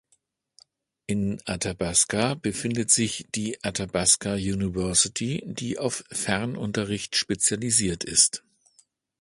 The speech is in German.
In Athabasca befindet sich die Athabasca University, die auf Fernunterricht spezialisiert ist.